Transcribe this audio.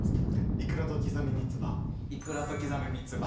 いくらときざみ三つ葉。